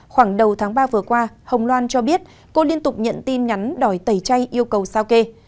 khoảng đầu tháng ba vừa qua hồng loan cho biết cô liên tục nhận tin nhắn đòi yêu cầu sao kê